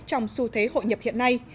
trong xu thế hội nhập hiện nay